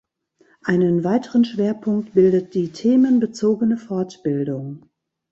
Einen weiteren Schwerpunkt bildet die themenbezogene Fortbildung.